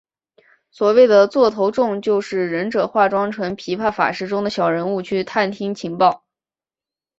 所谓的座头众就是忍者化妆成琵琶法师中的小人物去探听情报。